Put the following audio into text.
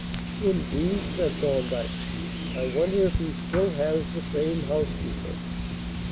"Indeed," said Thorndyke. "I wonder if he still has the same housekeeper."